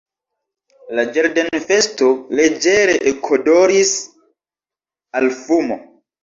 La ĝardenfesto leĝere ekodoris al fumo.